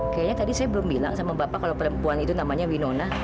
kayaknya tadi saya belum bilang sama bapak kalau perempuan itu namanya winona